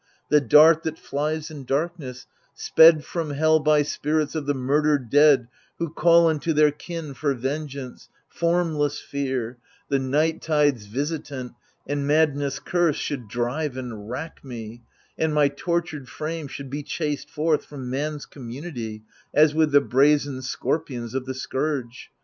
The dart that flies in darkness, sped from hell By spirits of the murdered dead who call Unto their kin for vengeance, formless fear, The night tide's visitant, and madness' curse Should drive and rack me ; and my tortured frame Should be chased forth from man's community As with the brazen scorpions of the scourge.